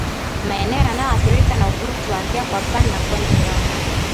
Maeneo yanayoathirika na ukurutu huanzia kwapani na kwenye nyonga